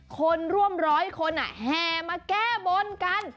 คนร่วมร้อยคนแห่มาแก้บนกัน